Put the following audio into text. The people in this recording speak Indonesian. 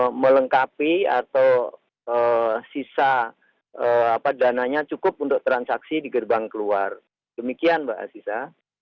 jadi melengkapi atau sisa dananya cukup untuk transaksi di gerbang keluar demikian mbak aziza